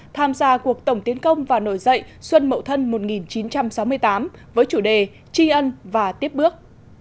tham gia cuộc tổng tiến công và nổi dậy xuân mậu thân một nghìn chín trăm sáu mươi tám với chủ đề tri ân và tiếp bước